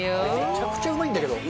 めちゃくちゃうまいんだけど。